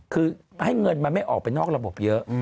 คือให้เงินมันไม่ออกไปนอกระบบเยอะ